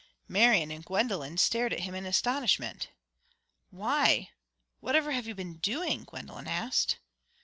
Marian and Gwendolen stared at him in astonishment. "Why, whatever have you been doing?" Gwendolen asked.